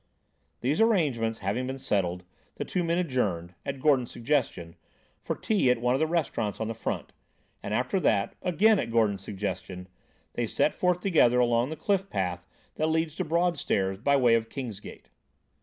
These arrangements having been settled, the two men adjourned, at Gordon's suggestion, for tea at one of the restaurants on the Front; and after that, again at Gordon's suggestion, they set forth together along the cliff path that leads to Broadstairs by way of Kingsgate.